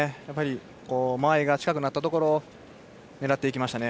間合いが近くなったところ狙っていきましたね。